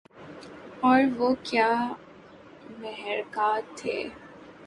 اور وہ کیا محرکات تھے